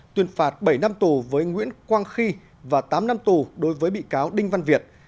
tuyên phạt bảy năm tù với nguyễn quang khi và tám năm tù đối với bị cáo đinh văn việt